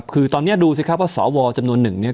คือตอนนี้ดูสิครับว่าสวจำนวนหนึ่งเนี่ย